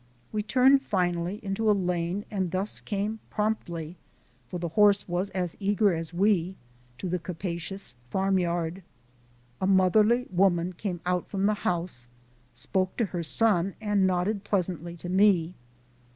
We turned finally into a lane and thus came promptly, for the horse was as eager as we, to the capacious farmyard. A motherly woman came out from the house, spoke to her son, and nodded pleasantly to me.